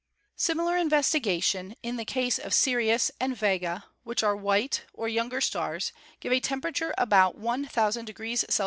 Similar investigation in the case of Sirius and Vega, which are white, or younger stars, give a temperature about 1,000° C.